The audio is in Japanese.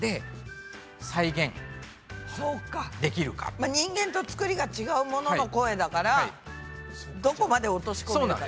例えば人間とつくりが違うものの声だからどこまで落とし込めるか。